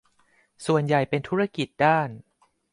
ส่วนใหญ่เป็นธุรกิจด้าน